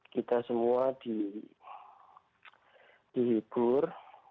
kita semua dihibur